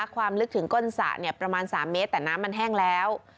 ความลึกถึงก้นสระประมาณ๓เมตรแต่น้ำมันแห้งแล้ว